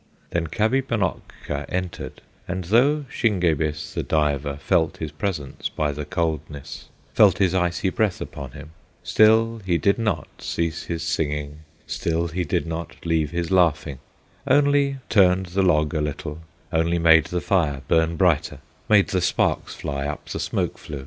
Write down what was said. Then Kabibonokka entered, And though Shingebis, the diver, Felt his presence by the coldness, Felt his icy breath upon him, Still he did not cease his singing, Still he did not leave his laughing, Only turned the log a little, Only made the fire burn brighter, Made the sparks fly up the smoke flue.